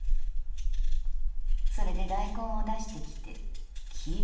それで大根を出してきて切る」。